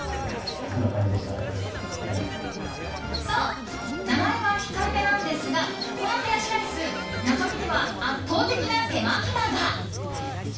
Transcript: そう、名前は控えめなんですがこのハヤシライス中身には圧倒的な手間暇が。